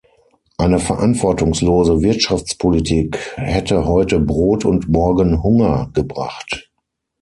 Eine verantwortungslose Wirtschaftspolitik hätte heute Brot und morgen Hunger gebracht.